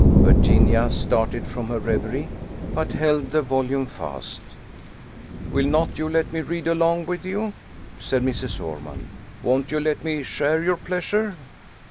Virginia started from her reverie, but held the volume fast. "Will not you let me read along with you?" said Mrs. Ormond. "Won't you let me share your pleasure?"